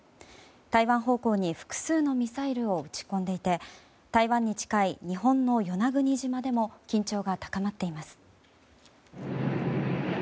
台湾方向に複数のミサイルを撃ち込んでいて台湾に近い日本の与那国島でも緊張が高まっています。